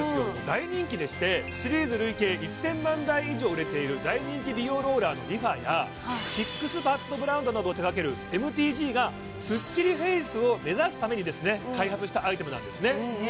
大人気でしてシリーズ累計１０００万台以上売れている大人気美容ローラーのＲｅＦａやＳＩＸＰＡＤブランドなどを手がけるＭＴＧがスッキリフェイスを目指すために開発したアイテムなんですね